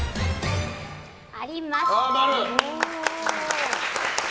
あります。